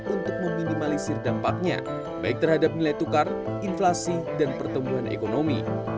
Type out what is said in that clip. untuk meminimalisir dampaknya baik terhadap nilai tukar inflasi dan pertumbuhan ekonomi